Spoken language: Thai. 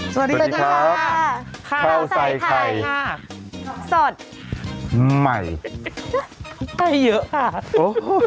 สวัสดีครับเข้าใส่ใครครับสดใหม่ได้เยอะค่ะโอ้ย